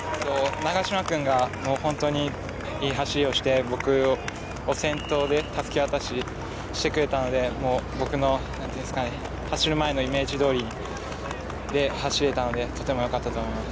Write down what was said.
長嶋君がいい走りをして先頭でたすき渡ししてくれたので僕の走る前のイメージどおりで走れたのでとてもよかったと思います。